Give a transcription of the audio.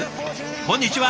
こんにちは。